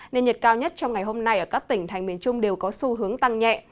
nên nhiệt cao nhất trong ngày hôm nay ở các tỉnh thành miền trung đều có xu hướng tăng nhẹ